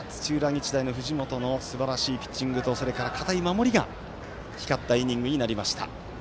日大の藤本のすばらしいピッチングとそれから堅い守りが光ったイニングになりました。